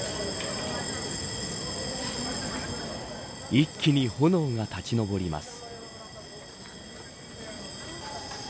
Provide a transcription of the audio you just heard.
一気に炎が立ち上ります。